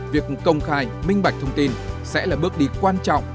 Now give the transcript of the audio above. việc công khai minh bạch thông tin sẽ là bước đi quan trọng